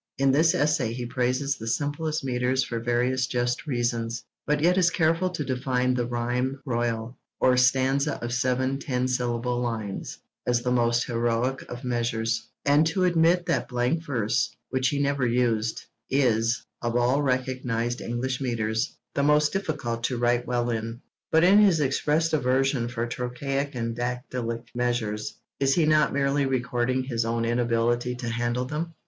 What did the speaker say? In this essay he praises the simplest metres for various just reasons, but yet is careful to define the 'rhyme royal,' or stanza of seven ten syllable lines, as the most heroic of measures; and to admit that blank verse, which he never used, 'is, of all recognised English metres, the most difficult to write well in.' But, in his expressed aversion for trochaic and dactylic measures, is he not merely recording his own inability to handle them?